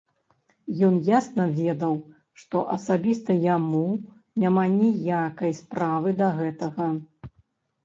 Ён ясна ведаў, што асабіста яму няма ніякай справы да гэтага.